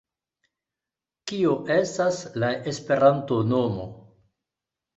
Kio estas la Esperanto-nomo?